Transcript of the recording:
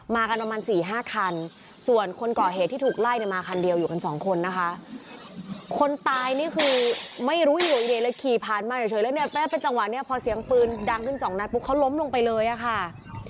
กันประมาณสี่ห้าคันส่วนคนก่อเหตุที่ถูกไล่เนี่ยมาคันเดียวอยู่กันสองคนนะคะคนตายนี่คือไม่รู้อยู่ดีเลยขี่ผ่านมาเฉยแล้วเนี่ยแป๊บเป็นจังหวะนี้พอเสียงปืนดังขึ้นสองนัดปุ๊บเขาล้มลงไปเลยอะค่ะ